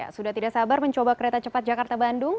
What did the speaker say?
sudah tidak sabar mencoba kereta cepat jakarta bandung